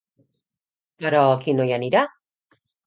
Però qui no hi anirà?